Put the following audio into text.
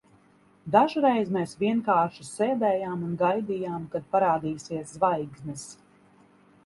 Dažreiz mēs vienkārši sēdējām un gaidījām, kad parādīsies zvaigznes.